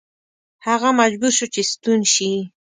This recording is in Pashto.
هغه مجبور شو چې ستون شي.